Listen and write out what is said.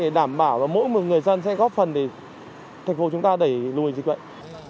để đảm bảo mỗi người dân sẽ góp phần để thành phố chúng ta đẩy lùi dịch bệnh